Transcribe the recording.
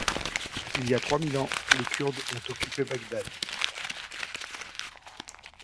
Il y a trois mille ans, les Kurdes ont occupé Bagdad.